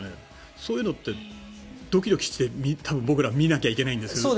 そういうのってドキドキして僕ら見なきゃいけないんですけど。